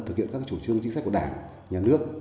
thực hiện các chủ trương chính sách của đảng nhà nước